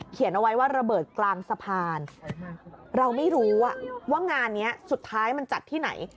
เอาไว้ว่าระเบิดกลางสะพานเราไม่รู้ว่างานนี้สุดท้ายมันจัดที่ไหน